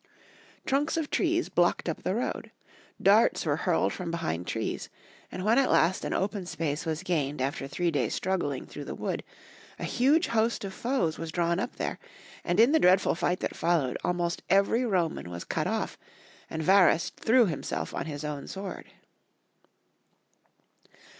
Trunks of trees blocked up the road, darts were hurled from behind trees, and when at last an open space was gained after three days' struggling through the wood, a huge host of foes was drawn up there, and in the dreadful fight that followed almost every Roman was cut off, and Varus threw himself on hia own sword.